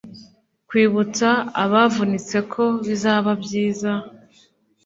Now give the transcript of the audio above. kwibutsa abavunitse ko bizaba byiza